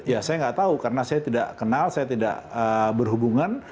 ya saya nggak tahu karena saya tidak kenal saya tidak berhubungan